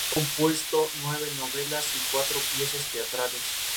Ha compuesto nueve novelas y cuatro piezas teatrales.